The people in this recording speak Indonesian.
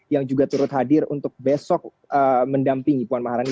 yang juga turut hadir untuk besok mendampingi puan maharani